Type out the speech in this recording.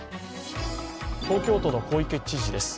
東京都の小池知事です。